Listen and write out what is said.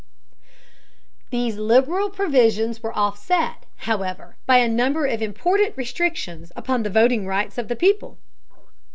These liberal provisions were offset, however, by a number of important restrictions upon the voting rights of the people.